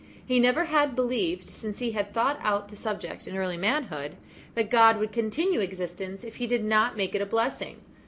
He never had believed, since he had thought out the subject in early manhood, that God would continue existence if He did not make it a blessing.